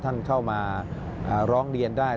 ท่านเข้ามาร้องเรียนได้